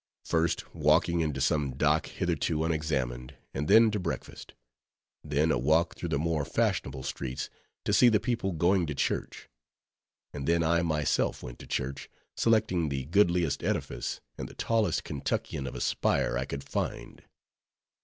First walking into some dock hitherto unexamined, and then to breakfast. Then a walk through the more fashionable streets, to see the people going to church; and then I myself went to church, selecting the goodliest edifice, and the tallest Kentuckian of a spire I could find.